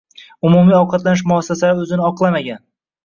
Umumiy ovqatlanish muassasalari oʻzini oqlamagan.